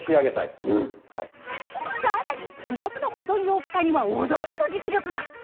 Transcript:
さらに付属の保存用蓋には驚きの実力が！